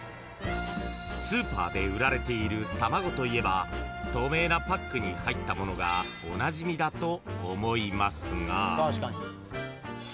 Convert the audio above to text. ［スーパーで売られている卵といえば透明なパックに入ったものがおなじみだと思いますが］